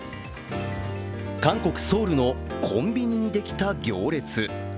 韓国・ソウルのコンビニにできた行列。